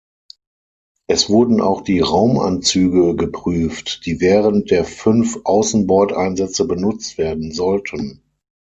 Es wurden auch die Raumanzüge geprüft, die während der fünf Außenbordeinsätze benutzt werden sollten.